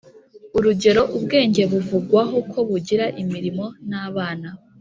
Urugero, ubwenge buvugwaho ko bugira “imirimo” n’“abana,